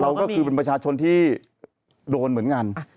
เราก็คือเป็นประชาชนที่โดนเหมือนกัน